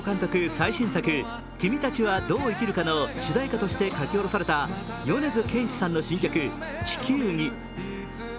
最新作「君たちはどう生きるか」の主題歌として書き下ろされた米津玄師さんの新曲「地球儀」。